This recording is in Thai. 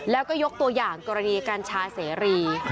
แล้วก็ยกตัวอย่างกรณีกัญชาเสรี